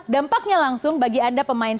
dampaknya langsung bagi anda pemain